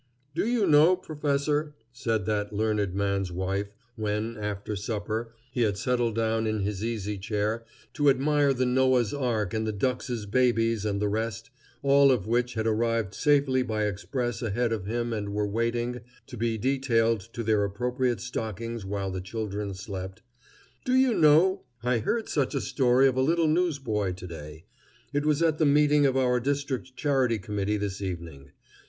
"Do you know, professor," said that learned man's wife, when, after supper, he had settled down in his easy chair to admire the Noah's ark and the duckses' babies and the rest, all of which had arrived safely by express ahead of him and were waiting to be detailed to their appropriate stockings while the children slept "do you know, I heard such a story of a little newsboy to day. It was at the meeting of our district charity committee this evening.